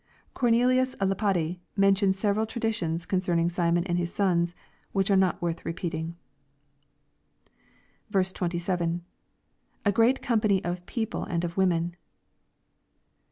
Cornelius a Lapide mentions several traditions concerning Simon and his sons, which are not worth repeating. 27. — \A great company of people and of women.